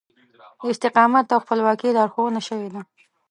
د استقامت او خپلواکي لارښوونه شوې ده.